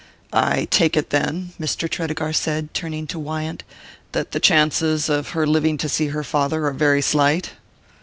"I take it, then," Mr. Tredegar said, turning to Wyant, "that the chances of her living to see her father are very slight."